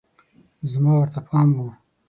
زما ورته پام و